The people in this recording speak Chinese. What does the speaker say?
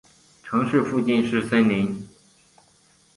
城市附近是森林。